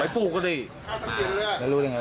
ไปโบกรถจักรยานยนต์ของชาวอายุขวบกว่าเองนะคะ